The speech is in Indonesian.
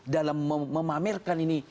dalam memamerkan ini